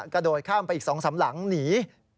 กระโดดเข้าอีก๒ซ้ำหลังหนี